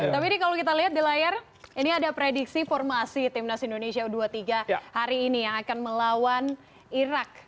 tapi ini kalau kita lihat di layar ini ada prediksi formasi timnas indonesia u dua puluh tiga hari ini yang akan melawan irak